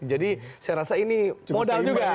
jadi saya rasa ini modal juga